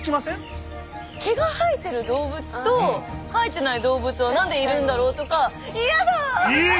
毛が生えてる動物と生えてない動物は何でいるんだろうとか嫌だ！